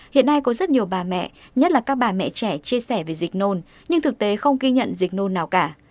hiện nay có rất nhiều bà mẹ nhất là các bà mẹ trẻ chia sẻ về dịch nồn nhưng thực tế không ghi nhận dịch nôn nào cả